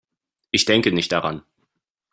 Ich denke nicht daran.